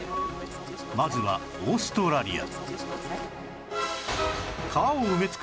まずはオーストラリア